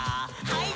はい。